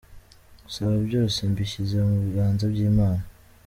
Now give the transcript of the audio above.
Gusa byose mbishyize mu biganza by’Imana".